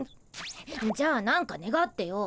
じゃあ何かねがってよ。